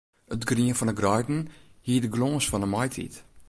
It grien fan 'e greiden hie de glâns fan 'e maitiid.